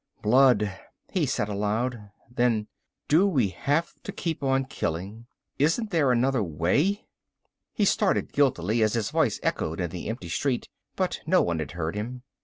"Blood," he said aloud. Then, "Do we have to keep on killing? Isn't there another way?" He started guiltily as his voice echoed in the empty street, but no one had heard him.